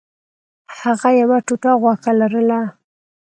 هغه یوه ټوټه غوښه لرله.